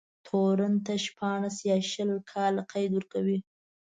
تورن ته شپاړس يا شل کاله قید ورکوي.